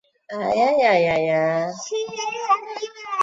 格尔木是新兴的一座资源开发型的工业城市。